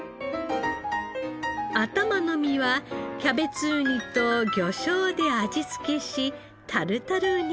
頭の身はキャベツウニと魚醤で味付けしタルタルに。